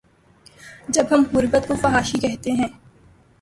جب ہم غربت کو فحاشی کہتے ہیں۔